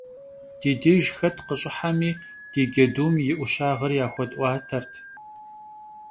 Di dêjj xet khış'ıhemi, di cedum yi 'uşağır yaxuet'uatert.